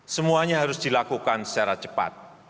semuanya harus dilakukan secara cepat